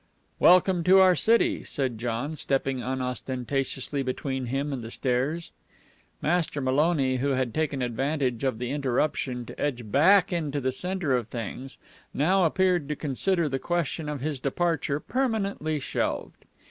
"Welcome to our city," said John, stepping unostentatiously between him and the stairs. Master Maloney, who had taken advantage of the interruption to edge back into the center of things, now appeared to consider the question of his departure permanently shelved.